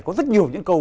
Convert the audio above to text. có rất nhiều những câu